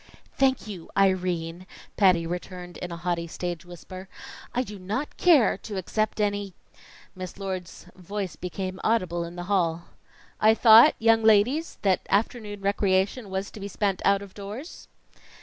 "Thank you, Irene," Patty returned in a haughty stage whisper. "I do not care to accept any " Miss Lord's voice became audible in the hall. "I thought, young ladies, that afternoon recreation was to be spent out of doors?"